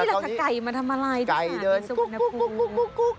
นี่แหละค่ะไก่มาทำอะไรที่สถานบินสวรรณภูมิ